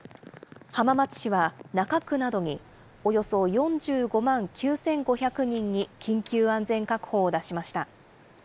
浜松市は中区などにおよそ４５万９５００人に緊急安全確保を出しました。